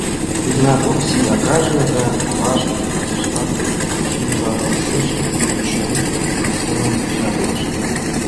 Йыгнат, Окси акаже да авашт изишлан шӱлалтышт, кӱчен коштмым чарнышт.